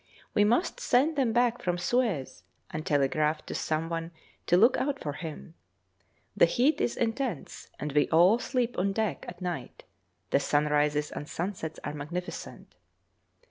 We must send them back from Suez, and telegraph to some one to look out for him. The heat is intense, and we all sleep on deck at night; the sunrises and sunsets are magnificent.